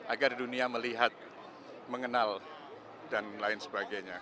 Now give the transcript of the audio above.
agar dunia melihat mengenal dan lain sebagainya